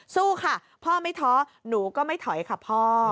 สู้ค่ะพ่อไม่ท้อหนูก็ไม่ถอยค่ะพ่อ